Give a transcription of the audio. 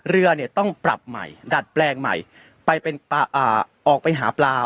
เรือเนี่ยต้องปรับใหม่ดัดแปลงใหม่ไปเป็นออกไปหาปลา